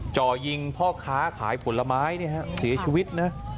จ่อยิงพ่อค้าขายผลไม้เสียชีวิตนะ